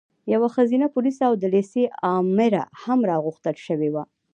یوه ښځینه پولیسه او د لېسې امره هم راغوښتل شوې وه.